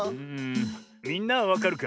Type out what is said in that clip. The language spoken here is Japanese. みんなはわかるか？